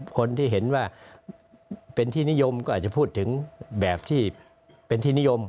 คนที่เห็นว่าเป็นที่นิยมก็อาจจะพูดถึงแบบที่เป็นที่นิยม